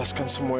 jangan kohet lo